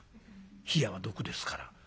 冷やは毒ですから。